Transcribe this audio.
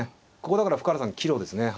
ここだから深浦さん岐路ですね。